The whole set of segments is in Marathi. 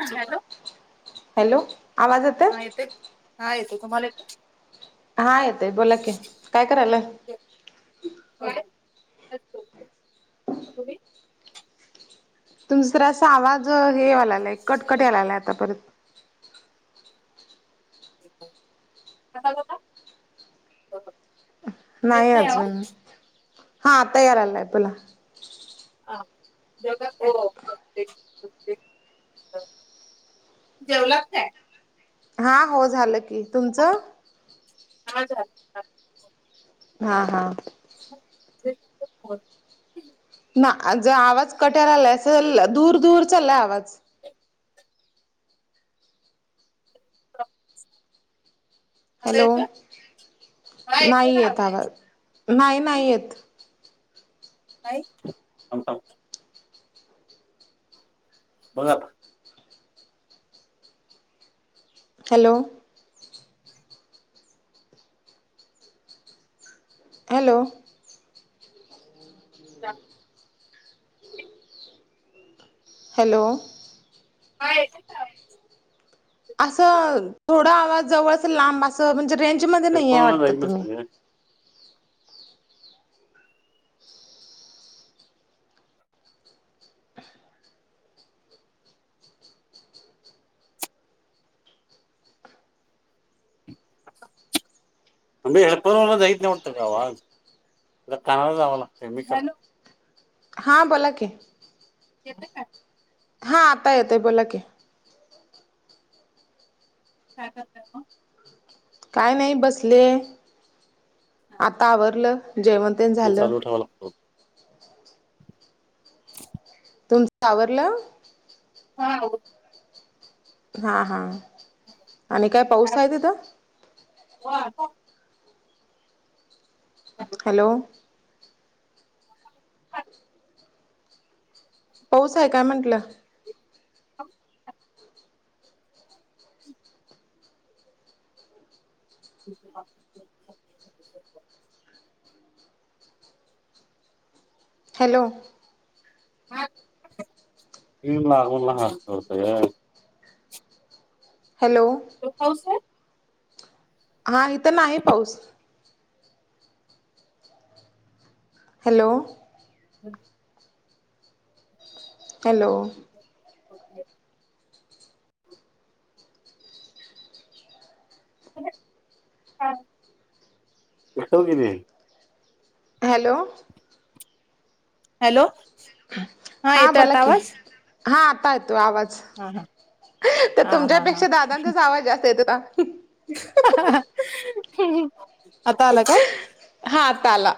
ह हॅलो. हॅलो. आवाज ये - हा येतोय. हा येतोय. तुम्हाला येतोय? हा येतोय. बोला की. काय करायलाय? काय? तुमचा जरा असा आवाज, हे व्हाया लागलाय. कटकट यायलाला आता परत. [unintelligible] येत नाही आवाज अजून. हा आता यायला लागलाय बोला. [unintelligible] जेवलात काय? हा. हो झालं की. तुमचं? झाल. हा हा. ना जर आवाज कट्यार आलाय. अस दूर दूर चाललाय आवाज. आता हॅलो. येतोय हा येतोय नाही का येत आवाज. नाही नाही येत. नाही? बघ- हॅलो. हॅलो. [unintelligible] हॅलो. हा येतो का? असं, थोडा आवाज जवळ असं लांब. असं म्हणजे रेंजमध्ये नाही आहे हेडफोनला जाईत वाटतं तुम्ही. नसतं ग [unintelligible] आता कामाला जावं लागतंय. मी तर - हां बोला की. येतोय का? हा. आता येतोय बोला की. काय करताय? मग काय नाही बसलेय. आता आवरलं जेवण. तेन हे झालं चालू ठेवावा लागतो. तुमचं आवरलं? हा. आव - हा हा आणि काय पाऊस आहे तिथं? हो हॅलो. ह पाऊस आहे काय म्हंटल? ह [unintelligible] हॅलो. ह लागूनला हासतय. हॅलो. हो सर. हा इथं नाही पाऊस हॅलो हम् हॅलो! [unintelligible] े एकव क नाही. हॅलो हॅलो हा हां येतोय आता बोलाक आवाज हां आता येतो आवाज. हा हा तर हा हा हा तुमच्यापेक्षा दादांचाच आवाज जास्त येत होता. आता आला का? हा आता आला.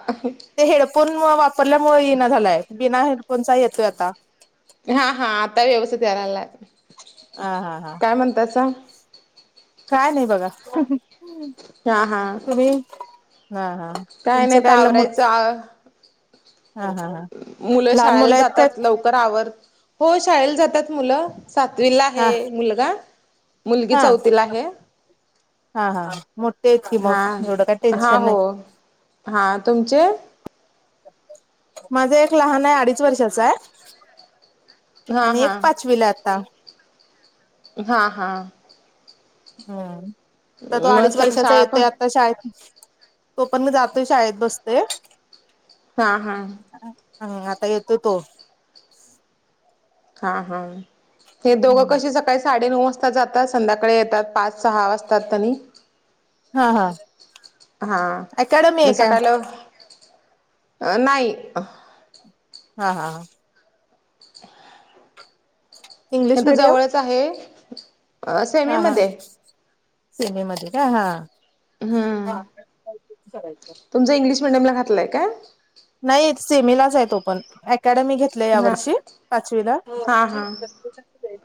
ते हेडफोन वापरल्यामुळे ये न झालाय बिना हेडफोनचा येतोय आता. हा हा आता व्यवस्थित येईयला लागलाय. ह हा हा त्याचा काय नाही बघा. हा हा. ह तुमच नाही काय आता आवरायचं ह मुलं शाळेला जातात लवकर आवर हो शाळेला जातात मुलं. सातवीला हा आहे मुलगा, मुलगी हा चौथीला आहे. हा हा मोठे की हा मग एवढं काही हा टेन्शन हो नाही. हा तुमचे? माझं एक लहान आहे अडीच वर्षाचा आहे. हा आणि एक हा पाचवीला आता. हा हा हम्म आता तो मग अडीच सका वर्षाचा शाळा पण येतोय. ता शाळेत तो पण मी जातोया शाळेत बसते हा हा हम आता येतोय तो. हा हा हे दोघं कशी सकाळी साडे नऊ वाजता. जातात संध्याकाळी येतात पाच सहा वाजतात त्यांनी हा हा हा अकॅडमी आहे मग काय सकाळी अ नाही हा हा. हे इंग्लिश तर मिडियम जवळच आहे. हा हा सेमीमध्ये सिनेमध्ये का हा? हम्म तुमच इंग्लिश मिडियम ला घातलंय का? नाही सेमिलाच आहेत तो पण. अकॅडमी घेतले या हा वर्षी पाचवीला हा हा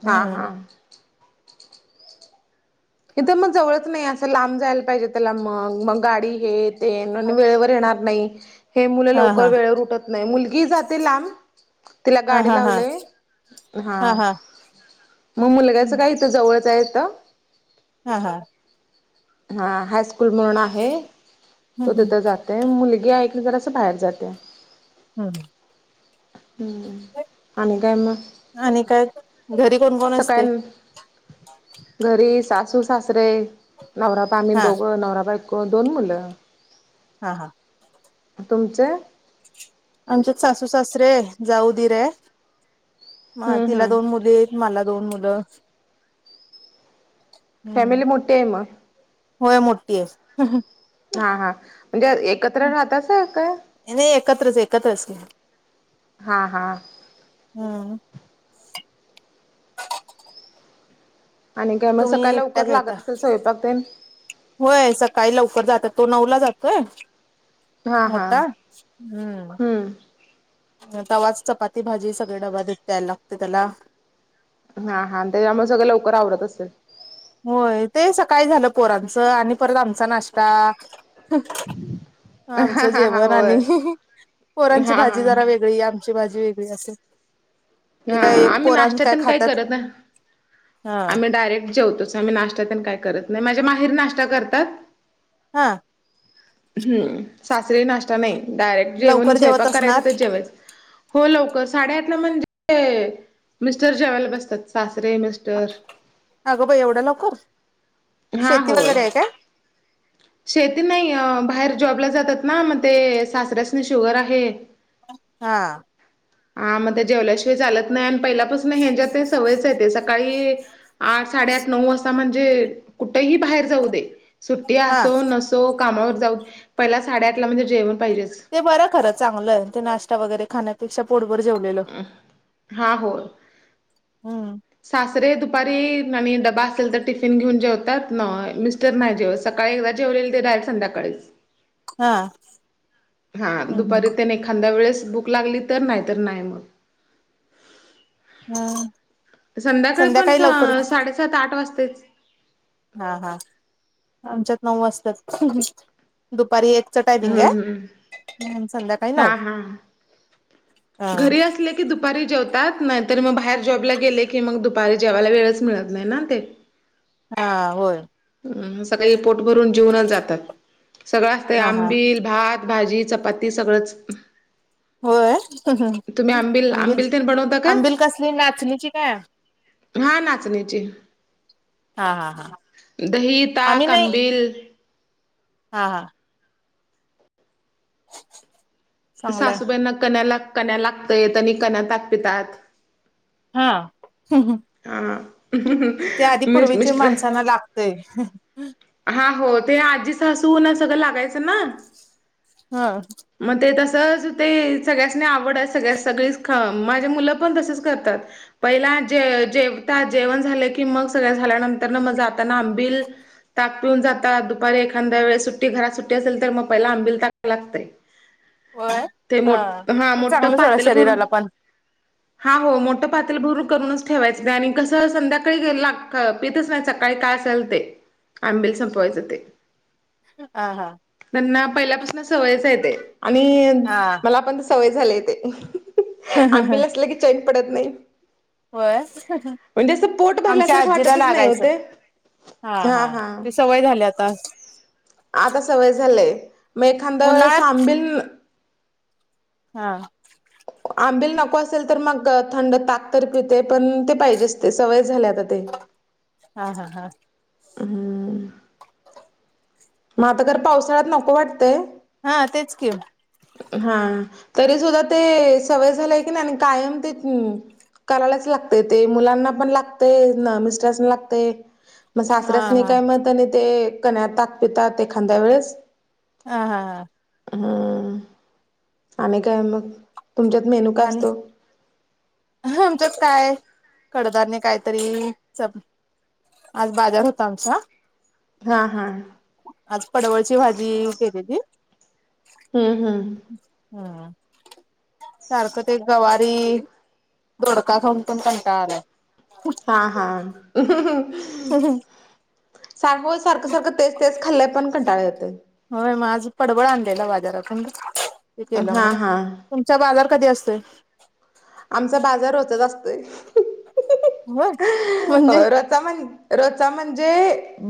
हा हा इथ मग जवळच नाही असं लांब जायला पाहिजे त्याला मग मग गाडी हे ते वेळेवर येणार नाही हे मुलं हा लवकर हा वेळवर उठत नाही मुलगी जाते लांब तिला हा गाडी हा हा लावले हा मग मुलग्याच हम्म काही इथ जवळच आहेेत हा हा हा हायस्कूल म्हणून आहे तो हम्म हम्म तिथं जाते मुलगी ऐकली ज असं बाहेर जाते हम हम्म आणिणी कायम आणि काय घरी कोण कोण असते घरी सासू सासरे नवराबा आम्ही हा दोघं नवराबा दोन मुलं हा हा तुमचे आमचे सासू सासरे जाऊदीर आहे म हम्म तिला हम्म दोन मुली आहेत मला दोन मुलं हम्म फॅमिली मोठी आहे मग होय मोठी आहेस हा हा म्हणजे एकत्र राहतच काय नाही एकत्रच एकत्रच हा हा हम्म आणि कायमुळे तुम्ही सकाळला उकर एकटाच येता लागत असेल स्वयंपाक ते होय सकाळी लवकर जातात तो नऊ ला जातोय हा हा मोठा हम्म हम्म तवाच चपाती भाजी सगळे डबा देत द्यायला लागते त्याला हा हा ते आम्हाला सगळं लवकर आवडत असेल होय ते सकाळी झालं पोरांचं आणि परत आमचा नाश्ता हा आमचं हा हा जेवण होय आणि पोरांची हा हा भाजी जरा वेग गळी आमची भाजी वेगळी असे हा आम्ही नाश््यातन काही खातात करत हा आम्ही डायरेक्ट जेवतोच आम्ही नाश् का करत नाही माझ्या माहीर नाश्ता करतात हा हम्म सासरी नाश्ता नाही डायरेक्ट जेवण लवकर जेवत स्वयंपाक असणार करायच तर जेवच हो लवकर साडेआठला म्हणजे मिस्टर जेवेला बसतात सासरे मिस्टर अगं बा एवढं लक हा होय [unintelligible] शेती नाही बाहेर जॉबला जातात ना मग ते सासऱ्यासने शुगर आहे हा हा मग ते जेवल्याशिवाय चालत नाही आणि पहिल्यापासून ह ज ते सवयच आहे स सकाळी आठ साडेआठ नऊ वाजता म्हणजे कुठही बाहेर जाऊ दे सुट्टी हा असो नसो कामावर जाऊ पहिला साडेआठला म्हणे जेवण पाहिजेच ते बरं खरं चांगलं आहे ते नाश्ता वगैरे खाण्यापेक्षा पोटभर जेवलेललं हा होर हम्म सासरे दुपारी आणि ड्बा असेल तर टिफिन घेऊन जेवतात तर नाही जेव सकाळी एकदा जेवलेईल ते डार संधकाळी [unintelligible] हा हम्म दुपारी हम्म त्यांने एखाद्या वेळेस भूक लागली तर नाहीत नाही मग हम्म संध्याकाळी पण साडेसात आठ वाजतेच हा हा आमच्यात नऊ वाजतात दुपारी एकच टायमिंग हम्म हम्म. आहे म्ह संध्याकाळी नऊ हा हा. हा घरी असले की दुपारी जेवतात नाही तर मग बाहेर जॉबला गेले की मग दुपारी जेवायला वेळच मिळत नाही ना ते हा होय अ सकाळी पोट भरून जीवणच जातात सगळं असतं हा हा आंबिल भात भाजी चपाती सगळंच होय तुम्ही आंबिल तेन बनवता काय? आंबिल कसली नाचणीची काय हा नाचण्याचे हा हा हा दही ता आम्ही नाही अंबिल हा हा चांगलंय सासूबाईंना कन्याला कण्या लागतय आणि कण्या ताक पितात हा हा ते आधी मिस् पूर्वीच्या मिस्टर माणसांना लागतय हा हो ते आजीच हसू ना सगळं लागायचं ना ह. मग ते तसंच ते सगळ्यासनी आवडत सगळ्या सगळीच ख माझे मुलं पण तसच करतात पहिला जे जेवता जेवण झालं की मग सगळ झाल्यानंतर ना मज आताना आंबिल ताक पिऊन जात दुपारी एखाददा वेळ सुट्टी घरात सुट्टी असेल तर मग पहिला आंबि ता लागतेय होय हा हा ते मोठं चांगलं ोड पातेल भरून शरीराला पण हा हो मोठं पातील भरून करूनच ठेवायच नाही आणि कसं संध्याकाळी ग पेतच नाही सकाळी काय असेल ते आंबि संपवायच ते ह हा त्यांना पहिल्यापासून सवयच येते आणि हा. मला पण सवय झाली येते आंबीलासला की चॉईन पडत नाही होय म्हणजे असं पोट आमच्या भरल्यासारखं आजीला वाटतच नाही हो लागायचं ते हा हा ते सवय झाले आता आता सवय झालंय मग एखाद्या वेळेस उन्हाळ्यात आंबिील हा आंबिल नको असेल तर मग थंड ताक तर पितते पण ते पाहिजे असते सवय झाले आता ते हा हा हा ह मता घर पावसाळ्यात नको वाटतय हा तेच केव हा तरी सुद्धा ते सवय झालंय की नाही आणि कायम ते करायलाच लागते ते मुलांना पण लागते न मिस्टरसना लागते मग हा सासऱस नाही हा काय म्हणत आणि ते कन ताक पित ते खांद्या वेळेस हा हा हा हम्म आणि काय मग तुमच्यात मेन्यू काय आणि असतो आमच्यात काय कडधने कायतरी स आज बाजार होता आमचा हा हा आज पडवळची भाजी केली ती हम्म हम हा सारखं ते गवारी धोडका सम पण कणट आलाय हा हां सार सारखं सारखं तेच तेच खाल्ले पण कंटाळे यते होय म आझ पडबळ आणलेलं बाजारातून ते केलं हा मग हा तुमच्या बाजार कधी असते आमचा बाजार होतत असतोय ह म्हणजे र रचा म्हणजे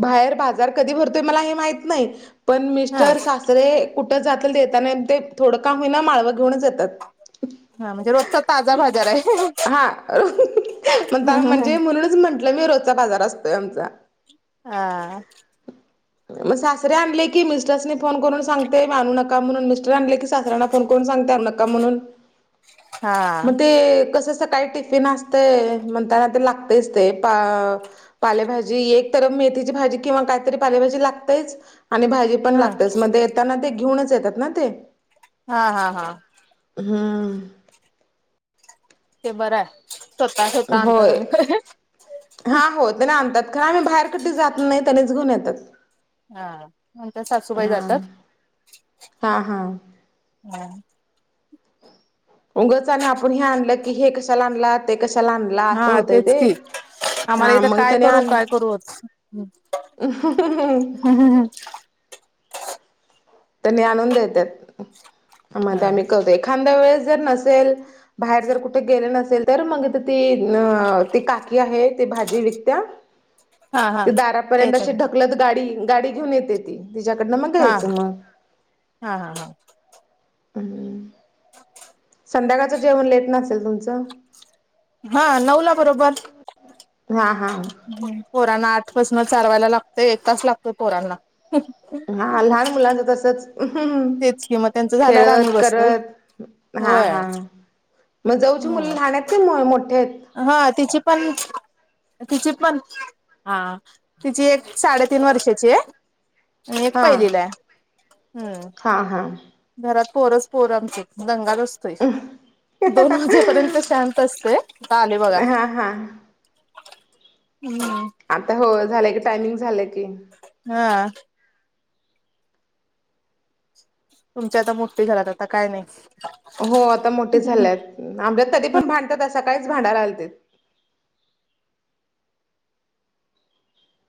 बाहेर बाजार कधी भरतोय मला हे माहत नाही पण हा मिस्टर सासरे कुठं जातील तेताना ते थोडं काम होईना माळवं घेऊनच येतात हा म्हणजे रोचा ता हा म्हणजे म्हणून म्हटलं मी रोजचा बाजार असतोय आमचा हा मग सासरे आणले की मिस्टरसने फोन करून सांगते माणू नका म्हणून मिस्टर आणले की सासऱ्यांना कोण कोण सांगत नका म्हणून हा मग ते कसं सकाळी टिफिन असत म्हणताना ते लागतेच ते प पालेभाजी एक तर मेथीची भाजी किंवा काहीतरी पालेभाजी लागतेच आणि भाजी पण हा लागत मग ते येताना ते घेऊनच येतात ना ते हा हा हा हा ते बरं आहे स्वतः स्वतः आणता होय हा हो त्या आणतात कारण आम्ही बाहेर कठ जात नाही त्याच घेऊन येतात हा नंतर सासूबाई हा जातात हा हा हम उगच आणि आपण हे आणलं की हे कशाला आणला ते कशाला आणला असं हा होतय तेच ते की आम्हाला हा इथं मग काय त्याने करू आण काय करू तरनी आणून देत आ म हा आम्ही करतो एखाद्या वेळेस जर नसेल बाहेर जर कुठे गेले नसेल तर मग ती अ ती काकी आहे ती भाजी विकत्या हा हा ते ते येत दारापर्यंतशी ढकलत गाडी गाडी घेऊन येते ती तिच्याकडनं मग हा घ्यायचं मग हा हा हा आणिम् ह संध्याकाळचं जेवण लेट नसेल तुमचं हा नवला बरोबर हा हा ह पोरना आठपासन चालवायला लागतेय एक तास लागतोय पोरांना तेच हा लहान मुलांचं तसंच म्म कि मग त्यांचं झाल्यावर आम्ही खेळत बसतोय करत हा होय हा मग जाऊची मुलं हम्म लहान आहेत का मोठे आहेत हा तिची पण तिची पण हा तिची एक साडेतीीन वर्षाची आहे ह् एक पहिलीला हम्म हां हां घरात पोरच पोर आमची दंगाल असतोय दोन वाजेपर्यंत शांत असतेय चाले बघा हा हा हम्म आता हो झालंय की टायमिंग झालंय की हा तुमच्या आता मूर्ती घात आता काय नाही हो आता मोठे झाले आहेत आमल्यात तध पण भांडतात असा काहीच भांडा आलत